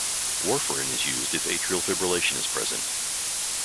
Warfarin is used if atrial fibrillation is present.